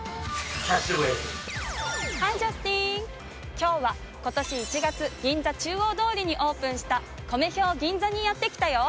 今日は今年１月銀座中央通りにオープンしたＫＯＭＥＨＹＯＧＩＮＺＡにやって来たよ。